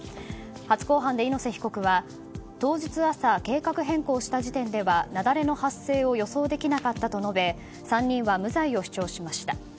初公判で猪瀬被告は当日朝、計画変更した時点では雪崩の発生を予想できなかったと延べ３人は無罪を主張しました。